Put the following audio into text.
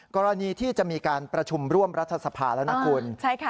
กรณีที่จะมีการประชุมร่วมรัฐสภาแล้วนะคุณ